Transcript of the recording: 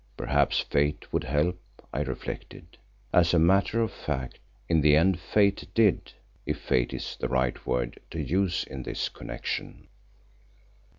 Perhaps Fate would help, I reflected. As a matter of fact, in the end Fate did, if Fate is the right word to use in this connection.